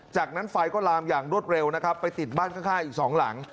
จากนั้นไฟก็ลามอย่างรวดเร็วนะครับไปติดบ้านข้างอีกสองหลัง